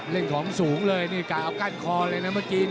เล่นของสูงเลยนี่กะเอากั้นคอเลยนะเมื่อกี้